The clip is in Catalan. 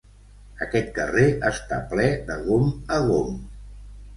Aquest carrer està ple de gom a gom.